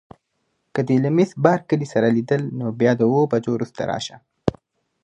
که دې له میس بارکلي سره لیدل نو بیا د اوو بجو وروسته راشه.